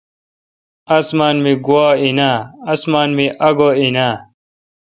اسمان می آگو این اے۔